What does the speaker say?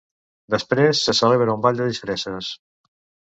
Després, se celebra un ball de disfresses.